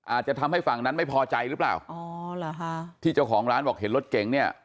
อาจจะทำให้ฝั่งนั้นไม่พอใจหรือเปล่าอ๋อเหรอฮะที่เจ้าของร้านบอกเห็นรถเก๋งเนี่ย